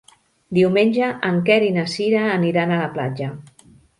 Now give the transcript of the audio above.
Diumenge en Quer i na Cira aniran a la platja.